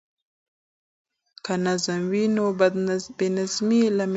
که نظم وي نو بد نظمي نه وي.